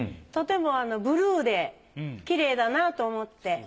とてもブルーできれいだなと思って。